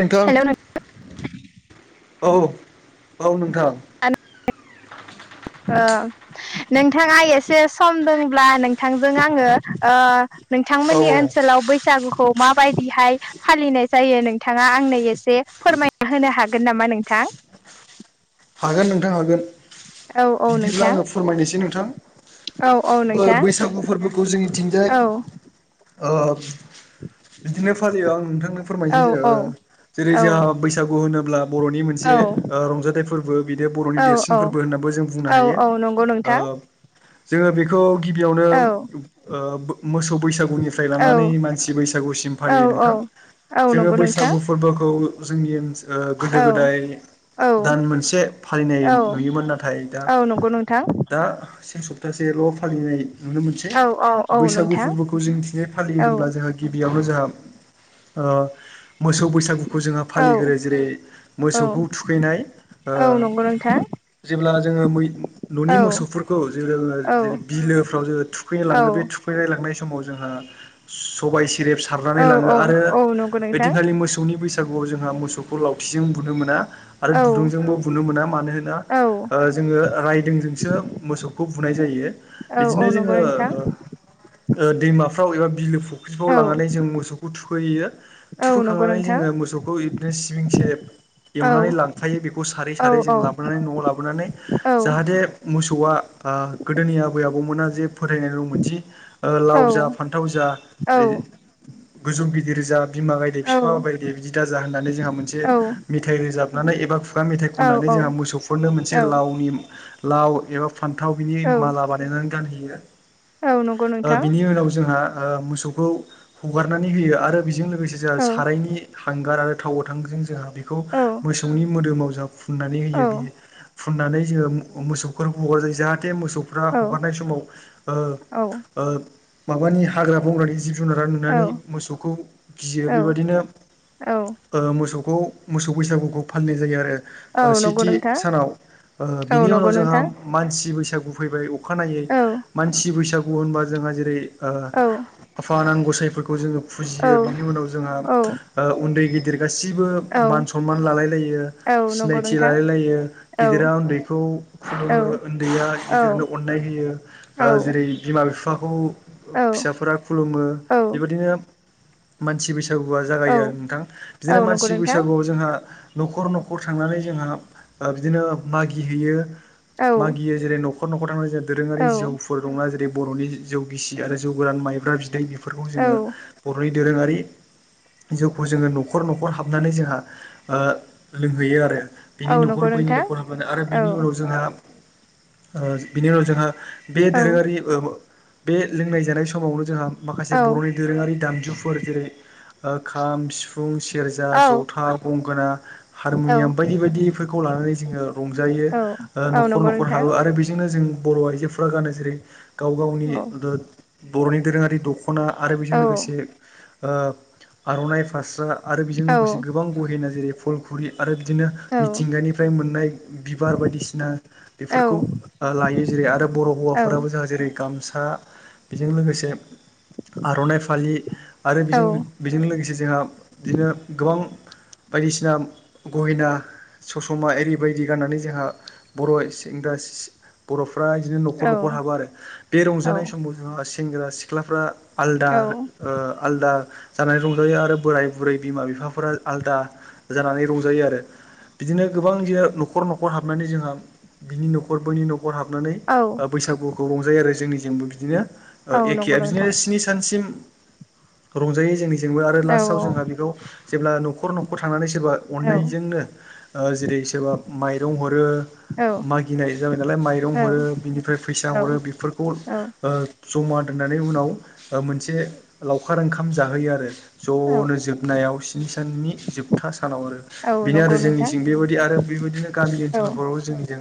Bentham hello औ औ नोंथां ओ नोंथाङा एसे सम दंब्ला नोंथांजों आङो ओ नोंथांमोननि औ ओनसोलाव बैसागुखौ मा बायदिहाय फालिनाय जायो नोंथाङा आंनो एसे फोरमायना होनो हागोन नामा नोंथां? [inaudible] हागोन नोंथां हागोन औ औ बिदिब्ला नोंथां आङो फोरमायनोसै नोंथां। औ औ नोंथां बैसागु फोरबोखौ जोंनिथिंजाय औ ओ बिदिनो फालियो आं नोंथां नो औ फोरमायनोसै ओ औ जेरै औ जोंहा बैसागु होनोब्ला बर'नि मोनसे रंजाथाइ फोरबो। फोरबो बिदि बर'नि औ देरसिन फोरबो होन्नाबो जों बुंनो औ हायो औ नंगौ ओ नोंथां जोङो बेखौ गिबियावनो औ ओ मोसौ बैसागुनिफ्राय औ लानानै मानसि बैसागुसिम फालियो औ नोंथां। औ औ जोङो नंगौ बैसागु नोंथां फोरबोखौ जोंनि ओ गोदो औ गोदाय औ दान मोनसे से फालिनाय औ नुयोमोन नाथाय दा औ नंगौ नोंथां दा से सप्तासेल' फालिनाय जायो। नुनो मोनसे औ औ औ बैसागु नोंथां फोरबोखौ जोंनिथिंजाय फालियो औ होनोब्ला जोंहा गिबि गिबियावनो जोंहा ओ मोसौ बैसागुखौ जोंहा औ फालिग्रोयो जेरै औ मोसौखौ थुखैनाय औ ओ नंगौ नोंथां। जेब्ला जोङो न'नि औ मोसौफोरखौ जो औ बिलोफ्राव जो थुखैनो लाङो बे औ थुखैनाय लांनाय समाव जोंहा सबाइ सेरेब सारनानै औ लाङो औ आरो औ नंगौ नोंथां ओइदिनखालि मोसौनि बैसागुआव जोंहा मोसौखौ खौ लावथिजों बुनो मोना औ नुनो मोना मानोना औ ओ जोङो रायदोंजोंसो मोसौखौ बुनाय जायो औ औ बिदिनो नंगौ जोङो नोंथां ओ दैमाफ्राव एबा बिलो औ फुख्रिफ्राव लांनानै जों मोसौखौ थुखैहैयो औ नंगौ थुखोखांनानै नोंथां जोङो मोसौखौ बिदिनो सिबिं सेरेब औ एवनानै लांखायो बेखौ सारै औ सारै औ जों लाबोनानै न'आव लाबोनानै औ जाहाथे मोसौआ गोदोनि ओ आबै आबौ आबौमोना जे फोथायनाय दंमोन जि औ लाव जा फान्थाव जा औ गोजौ गिदिरजा बिमा गायदे औ बिफा गायदे बिदि दाजा होननानै जोंहा मोनसे मेथाइ रोजाब रोजाबनानै एबा खुगा मेथाइ औ औ खननानै जोंहा मोसौफोरनो मोनसे लावनि लाव एबा फान्थाव बिनि माला बानायनानै गानहैयो औ नंगौ ओ नोंथां बिनि उनाव जोंहा मोसौखौ हगारनानै होयो आरो बेजों लोगोसे जोंहा औ सारायनि हांगार आरो थाव गोथांजों जोंहा बेखौ औ मोसौनि मोदोमाव फुनानै औ होयो फुनानै जोङो मोसौफोर हगारजायो जा जाहाथे मोसौफ्रा औ हगारनाय समाव ओ औ ओ माबानि हाग्रा बंग्रानि जिब जुनारा नुनानै मोसौखौ गियो बेबायदिनो औ ओ मोसौ खौ मोसौ बैसागुखौ फालिनाय जायो आरो। औ नंगौ सेथि नोंथां सानाव ओ औ बिनि उनाव नंगौ जोंहा नोंथां मानसि बैसागु फैबाय अखानायै औ मानसि बैसागु होनबा जोंहा जेरै ओ औ आफा आनान गसाइफोरखौ जोङो औ फुजियो बिनि उनाव जोंहा औ ओ उन्दै गिदिर गासिबो औ मान सनमान लालाय लायो। औ नंगौ सिनायथि नोंथां लालाय लायो औ गिदिरा उन्दैखौ औ खुलुमो उन्दैया औ गिदिरनो अननाय होयो। औ जेरै बिमा बिफा औ फिसाफोरा खुलुमो औ बेबायदिनो मानसि बैसागु बैसागुआ जागायो आरो औ नोंथां बिदिनो औ नंगौ मानसि नोंथां बैसागुआव जोंहा न'खर न न'खर थांनानै जोंहा बिदिनो मागिहैयो औ मागियो जेरै न'खर नखर -न'खर थांनानै जों दोरोङारि औ जौफोर दंना। जेरै बर'नि जौ गिसि आरो जौ गोरान माइब्रा बिदै बेफोरखौ जोङो औ बर'नि दोरोङारि जिउखौ जोङो न'खर -न'खर हाबनानै जोंहा ओ लोंहैयो आरो। औ बिनि न'खर नंगौ बैनि नोंथां न'खर हाबनानै आरो औ बिनि उनाव जोंहा ओ बिनि उनाव जोंहा बे औ दोरोङारि ओ बे लोंनाय जानाय समावनो जोंहा माखासे औ बर'नि दोरोङारि दामजुफोर जेरै ओ खाम, सिफुं, सेरजा, जथा, गंगोना औ हारमुनियाम बायदि बायदिफोरखौ लानानै जोङो रंजायो। औ ओ औ न'खर- नंगौ न'खर नोंथां हाबो आरो बेजोंनो जों बर' आइजोफोरा गानो जेरै गाव -गावनि औ दो- बर'नि दोरोङारि दख'ना। दखना आरो औ बेजों लोगोसे ओ आर'नाइ। फास्रा आरो बेजों औ लोगोसे गोबां गहेना जेरै फलखुरि आरो बिदिनो औ मिथिंगानिफ्राय मोननाय बिबार बायदिसिना बेफोरखौ लायो। जेरै आरो बर' हौवाफोराबो जों जेरै गामसा बेजों लोगोसे आर'नाइ फालि आरो औ बेजों -बेजों लोगोसे जोंहा बिदिनो गोबां बायदिसिना गहेना ससमा एरि बायदि गाननानै जोंहा बर' सेंग्रा सि- बर' [unintelligible] बिदिनो न'खर- औ न'खर हाबो आरो। बे रंजानाय समाव जोंहा सेंग्रा सिख्लाफ्रा आलदा ओ आलदा जानानै रंजायो आरो बोराय -बुरै, बिमा- बिफाफोरा आलदा जानानै रंजायो। [unintelligible] आरो बिदिनो गोबां न'खर- न'खर हाबनानै जोंहा बिनि न'खर बैनि न'खर नखर हाबनानै ओ बैसागुखौ रंजायो आरो जोंनिजोंबो बिदिनो। औ नंगौ एखे बिदिनो नोंथां स्नि सानसिम रंजायो जोंनि जोंबो आरो औ लास्टाव जोंहा बेखौ जेब्ला न'खर न'खर थांनानै सोरबा औ अननायजोंनो जेरै सोरबा माइरं हरो। औ मागिनाय जाबाय नालाय माइरं हरो बिनिफ्राय फैसा हरो औ बेफोरखौ ओ जमा [unintelligible] होननानै उनाव मोनसे लावखार ओंखाम जाहोयो आरो। ज'नो औ जोबनायाव स्नि साननि जोबथा सानाव आरो। नंगौ बेनो आरो नोंथां जोंनिथिं बेबायदि आरो बेबायदिनो गामि औ ओनसोलफोराव जोंनिजों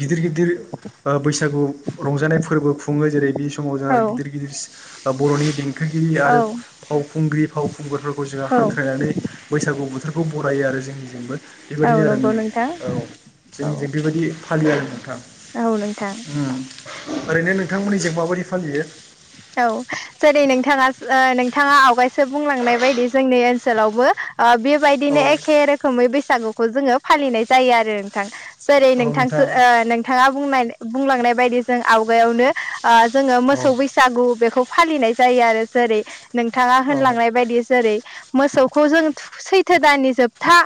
गिदिर- गिदिर ओ बैसागु रंजानाय फोरबोखौ खुङो जेरै बे समाव जोंहा औ गिदिर -गिदिर बर'नि देंखोगिरि आरो औ फावखुंग्रि फाव खंगुरफोरखौ जोङो हांख्रायनानै बैसागु बोथोरखौ बरायो आरो जोंनि जोंबो औ बेबायदिनो आरो नंगौ नों नोंथां औ औ जोंनिजों बेबायदि फालियो आरो नोंथां। औ नोंथां ओम ओरैनो नोंथांमोननिजों माबायदि फालियो? औ जेरै नोंथाङा -नोंथाङा ओ आवगायसो बुंलांनाय बायदि जोंनि ओनसोलावबो औ बेबायदिनो एखे रोखोमै बैसागुखौ जोङो फालिनाय जायो आरो नोंथां। जेरै औ नोंथां नोंथांसो नोंथाङा बुं- बुंलांनाय बायदि जों आवगायावनो ओ जोङो औ मोसौ बैसागु बेखौ फालिनाय जायो आरो जेरै नोंथाङा औ होनलांनाय बायदि जेरै मोसौखौ जों थु-सैथो दाननि जोबथा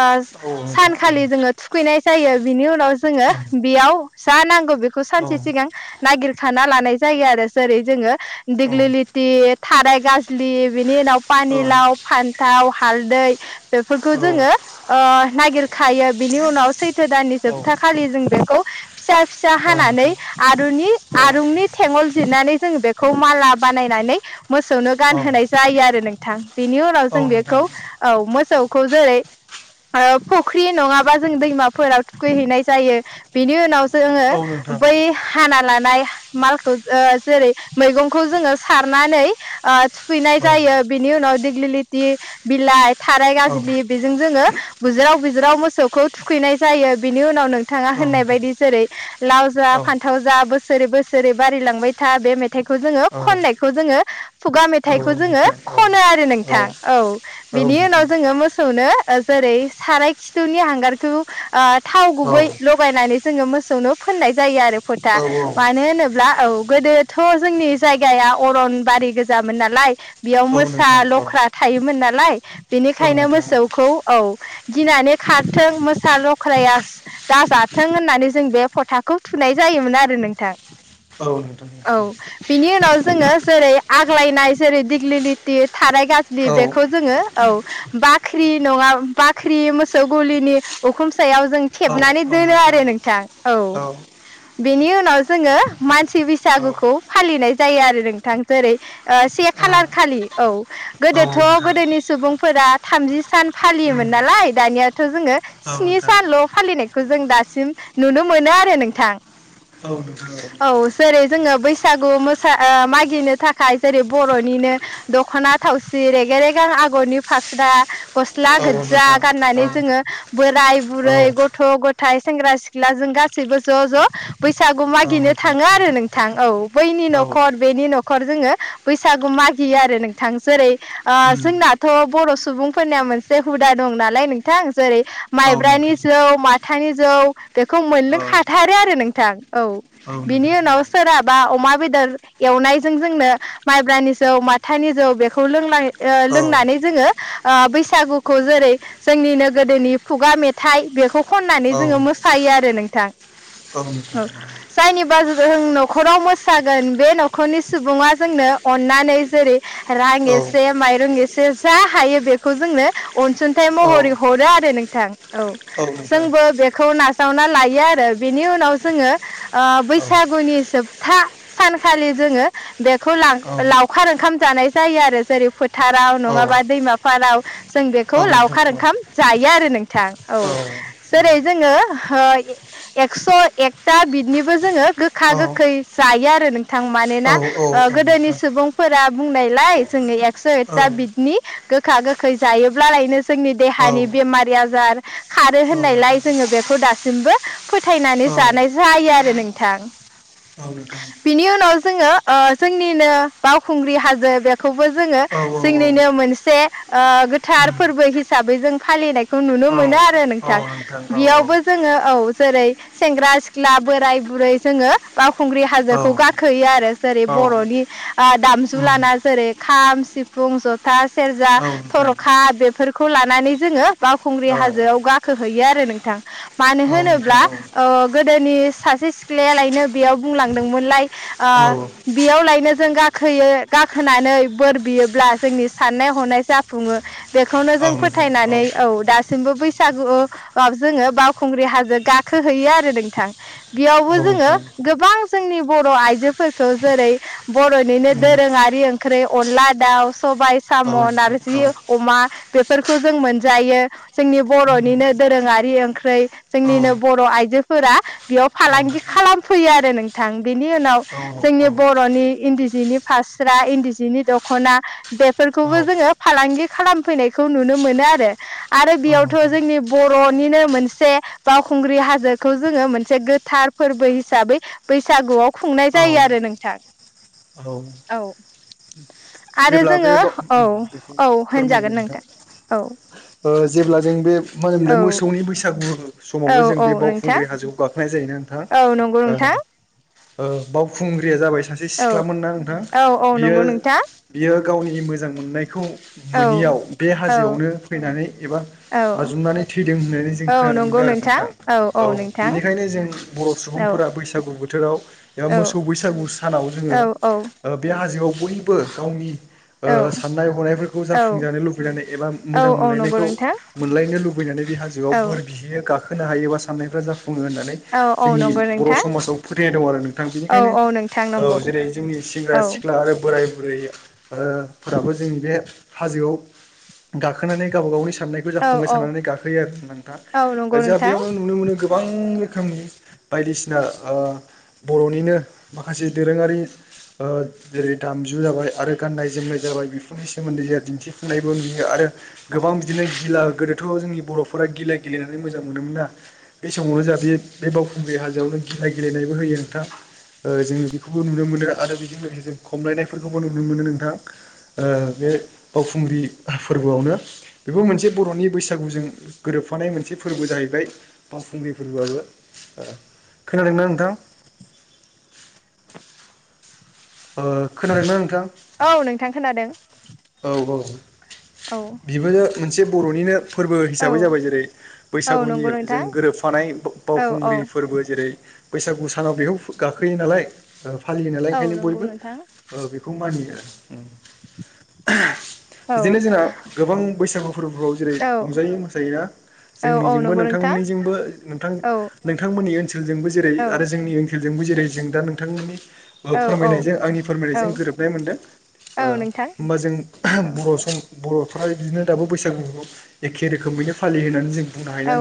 ओ औ नोंथां औ सानखालि जोङो थुखैनाय जायो। बिनि उनाव जोङो बेयाव जा नांगौ [unintelligible] बे औ सानसे सिगां नागिरखाना लानाय जायो आरो। जेरै जोङो दिगलि औ लिति थाराय गाज्लि बिनि उनाव पानिलाव, फान्थाव, हालदै बेफोरखौ जोङो ओ नागिरखायो बिनि उनाव सैथो दाननि जोबथा खालि जों बेखौ फिसा- फिसा हानानै नोंथां आरुनि- औ आरुंनि थेंगलजों जोङो बेखौ माला बानायनानै मोसौनो औ गानहोनाय जायो आरो नोंथां। बेनि उनाव औ जों नोंथां बेखौ, औ मोसौ [unintelligible] जेरै फुख्रि नङाबा जों दैमाफोराव थुखैहैनाय जायो। बिनि उनाव जोङो औ नोंथां बै हाना लानाय मालखौ ओ जेरै मैगंखौ जोङो सारनानै ओ थुखैनाय औ जायो। बिनि उनाव दिगिलिटि बिलाइ थाराय औ नोंथां गाजलि बेजों जोङो बुज्राव बज्राव मोसौखौ थुखैनाय जायो बेनि उनाव नो नोथाङा होननाय बायदि जेरै लाव जा औ फान्थाव जा बोसोरै बोसोरै बारिलांबाय था बे मेथाइ मेथाइखौ जोङो औ खननायखौ जोङो खुगा औ मेथाइखौ जोङो नोंथां औ खनो आरो औ नोंथां औ औ बिनि नोंथां उनाव जोङो मोसौनो जेरै साराय खि थौनि हांगारखौ ओ थाव औ गुबै लगायनानै जोङो मोसौनो फोननाय जायो आरो फोथा औ मानो होनोब्ला औ गोदोथ' जोंनि जायगाया अरन बारि गोजामोन नालाय बेयाव मोसा नोंथां औ लख्रा थायोमोन नालाय औ बेनिखायनो नोंथां मोसौखौ औ गिनानै खारथों मो सा लख्राया दाजाथों होननानै जों बे फथाखौ थुनाय जायोमोन आरो नोंथां औ नोंथां औ नोंथां औ औ बिनि उनाव जोङो जेरै आग्लायनाय जेरै दिग्लि लिथि थाराय गाज्रि बेखौ जोङो औ बा ख्रि नङा बाख्रि मोसौ गलिनि उखुम सायाव जों औ थेबनानै दोनो नोंथां आरो औ नोंथां औ नोंथां बेनि उनाव जोङो मान सिबैसागुखौ औ फालिनाय जायो आरो नोंथां जेरै ओ से खालार खालि औ औ गोदोथ' नोंथां औ नोंथां औ नोंथां औ नोंथां औ गोदोनि सुबुंफोरा थामजि सान फालियोमोन नालाय दानियाथ' जोङो स्नि साल' फालिनायखौ जों दा सिम नुनो मोनो आरो नोंथां औ नोंथां औ जेरै जोङो बैसागु मोसा मागिनो थाखाय जेरै बर'निनो दख'ना थावसि रेगे-रेगां आगरनि फासरा गस्ला गोदजा गाननानै जोङो बोराय बुरै गथ'-गथाय सेंग्रा सिख्लाजों गासैबो ज' ज' बैसागु मागिनो थाङो आरो नोंथां औ बैनि न'खर बेनि न'खर जोङो बैसागु मागियो आरो नोंथां जेरै ओ जोंनाथ' बर' सुबुंफोरनिया मोनसे हुदा दं नालाय नोंथां जेरै माइब्रानि जौ मा थानि जौ बेखौ मोनलनोखाथारो आरो नोंथां औ बिनि उनाव सोरहाबा अमा बेदर एवनायजों जोंनो माइब्रानि जौ माथानि जौ बेखौ लोंनाय ओ लोंनानै जोङो ओ बैसागुखौ जेरै जोंनिनो गोदोनि खुगा मेथाइ बेखौ खननानै जोङो मोसायो आरो नोंथां औ जायनि बा जों न'खराव मोसागोन बे न'खरनि सुबुङा जोंनो अन्नानै जेरै रांगेसे माइरं एसे जा हायो बेखौ जोंनो अनसुंथाइ महरै हरो आरो नोंथां औ जोंबो बेखौ नाजावना लायो आरो बेनि उनाव जोङो ओ बै औ बैसागुनि जोबथा सानखालि जोङो बेखौ औ नोंथां औ नोंथां औ नोंथां औ नोंथां औ नोंथां औ नोंथां औ नोंथां औ नोंथां औ नोंथां औ नोंथां औ नोंथां औ लां-लावखार ओंखाम जानाय जायो आ रो जेरै फोथाराव नङाबा दैमाफाराव जों बेखौ लावखार ओंखाम जायो आरो नोंथां औ जेरै जोङो ओ एक्स' एकथा बिदनिबो जोङो गोखा-गोखै जायो आरो नोंथां मानोना ओ गोदोनि सुबुंफोरा बुंनायलाय जोङो एकस' एथा बिदनि गोखा गोखै जायोब्लालायनो जोंनि देहानि बेमारि आजार खारो होननायलाय जोङो बेखौ दासिमबो फोथायनानै औ जानाय जायो आरो नोंथां बिनि उनाव जोङो जोंनिनो बावखुंग्रि हाजो बे खौबो जोङो जोंनिनो मोन से ओ गोथार फोरबो हिसाबै जों फालिनायखौ नुनो मोनो आरो नोंथां बेयाव बो जोंङो औ जेरै सेंग्रा सिखला बोराय बुरै जोङो बावखुंग्रि हाजोखौ गाखोयो आरो जेरै बर'नि नोंथां ओ दामजु लाना जेरै खाम सिफुं जथा सेरजा थर'खा बेफोरखौ लानानै जोङो बावखुंग्रि हा जोआव गाखोहयो आरो नोंथां मानो होनोब्ला ओ गोदोनि सासे सिखलाया लायनो बेयाव बुंलांदोंमोनलाय ओ बेयावलायनो जों गाखोयो गाखोनानै बोर बियोब्ला जोंनि साननाय हनाय जाफुङो बेखौनो जों फोथायनानै औ दा सिमबो बैसागुआव जोङो बावखुंग्रि हाजो गाखोहैयो आरो नोंथां बेयावबो जोङो गोबां जोंनि बर' आइजोफोरखौ जेरै बर'निनो दोरोङारि ओंख्रि अनला दाउ सबाय साम' नारजि अमा बेफोरखौ जों मोनजायो जोंनि बर'निनो दोरोङारि ओंख्रै जोंनिनो बर' आइजोफोरा बेयाव फालांगि खालामफैयो आरो नोंथां बेनि उनाव जोंनि बर'नि इन्दि जिनि फास्रा इन्दि नि दख'ना बेफोरखौबो जोङो फालांगि खालामफैनायखौ नुनो मोनो आरो। आरो बेयावथ' जोंनि बर'निनो मोनसे बावखुंग्रि हाजोखौ जोङो मोनसे गोथार फोरबो हिसाबै बैसागुआव खुंनाय जायो आरो नोंथां औ आरो जेब्ला बे जोङो औ बेखौ औ फोरमायो होनजागोन नोंथां औ ओ जेब्ला जों बे मा होनोमोनलाय औ मोसौनि बैसागु समावनो औ जों औ बे नोंथां बावखुंग्रि हाजोआव गाखो जायोना औ नंगौ नोथां नोंथां ओ बावखुंग्रिया जाबाय सासे औ सिख्लामोनना नोंथां। औ औ बियो नंगौ नोंथां बियो गावनि मोजां मोननायखौ औ मोनोनियाव बे औ हाजोआवनो फैनानै एबा औ बाजुमनानै थैदों होननानै जों खोनानो मोनदों आरो नोंथां। औ बेनिखायनो जों बर' सुबुं औ फोरा बैसागु बोथोराव एबा औ मोसौ बैसागु सानाव औ जोङो बे होआव बयबो गावनि ओ औ साननाय हनायफोरखौ औ जाफुंजानो लुबैनानै एबा औ मोजां औ नंगौ मोनलायनायखौ नोंथां मोनलायनो लुबै नानै बे हाजोआव औ बोरबिहैयो गाखोनो हायो बा सान्नाय फोरा जाफु ङो होननानै औ औ जोंनि नंगौ बर' नोंथां समाजाव फोथायनाय दं आरो नोंथां। औ बेनिखायनो नोंथां औ नंगौ जेरै- जोंनि सेंग्रा औ सिख्ला आरो बोराय बुरै ओ फोराबो जोंनि बे हाजोआव गाखोनानै गाव गावनि साननायखौ औ जाफुंगोन औ साननानै गाखोयो आरो नोंथाङा औ नंगौ जोंहा नोंथां बेयावनो नुनो मोनो गोबां रोखोमनि बायदिसिना ओ बर'निनो माखासे दोरोङारि ओ जेरै - दामजु जाबाय आरो गाननाय जोमनाय जाबाय बेफोरनि सोमोन्दै जोंहा दिन्थिफुंनायबो नुयो आरो गोबां बिदिनो गिला गोदो बाथौ आव जोंनि बर'फोरा गिला गेलेनानै मोजां मोनोमोन ना बे समावनो जाह बे बावखुंग्रि हाजोआवनो गि गेलेनायबो होयो नोंथां जों बेखौबो नुनो मोनो आरो बेजों जों खमलायनायफोरखौ बो नुनो मोनो नोंथां ओ बे बावखुंग्रि फोरबोआवनो बेबो मोनसे बर'नि बैसागुजों गोरोब फानाय मोनसे फोरबो जाहैबाय बावखुंग्रि फोरबोआआबो खोनादोंना नोंथां [inaudible] खोनादों ना नोंथां? औ नोंथां खोनादों। औ बिबोनो मोनसे बर'निनो फोरबो औ हिसाबै जाबाय जेरै औ बैसागुनि नंगौ जों नोंथां गोरोबफानाय औ औ बावखुंग्रि फोरबो जेरै बैसागु सानाव बेखौ गाखोयो नालाय फालियो नालाय ओंखायनो बयबो थां ओ बेखौ माजियो। [unintelligible] औ बिदिनो जोंना गोबां बैसागु फोरबोफोराव जेरै- औ रंजायो मोसायो ना औ औ जोंनिजोंबो नंगौ नोंथां नोंथांमोननिजोंबो औ औ नोंथांमोननि ओन सोलजोंबो जेरै आरो जोंनि ओनसोलजोंबो जेरै जों दा नोंथांमोननि औ औ फोरमायनायजों आंनि फोरमायनायजों गोरोबनाय मोनदों औ नोंथां होमबा जों औ बर' सम बर'फ्रा बिदिनो दाबो बैसागु एखे रोखोमैनो फालियो होननानै जों बुंनो हायो औ